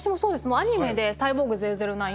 アニメで「サイボーグ００９」を見ていた。